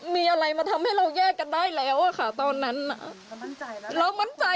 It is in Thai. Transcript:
มีอะไรมาทำให้เราแยกกันได้แล้วค่ะตอนนั้นน่ะ